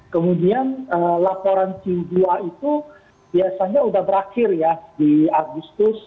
kemudian laporan q dua itu biasanya sudah berakhir ya di agustus